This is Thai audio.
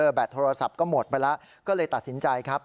แดดโทรศัพท์ก็หมดไปแล้วก็เลยตัดสินใจครับ